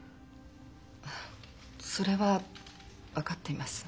あそれは分かっています。